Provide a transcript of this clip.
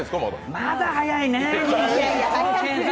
まだ早いね。